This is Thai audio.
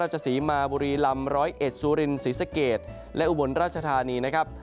ราชสีมาบุรีลำ๑๐๑ซูรินศ์ศรีสเกตและอุบลราชธานี